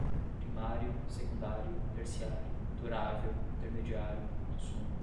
primário, secundário, terciário, durável, intermediário, consumo